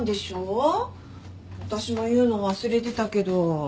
私も言うの忘れてたけど。